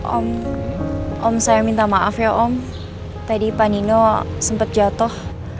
om om saya minta maaf ya om tadi pak nino sempat jatuh